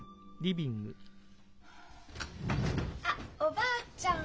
あっおばあちゃん。